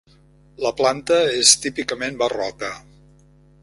La planta és típicament barroca.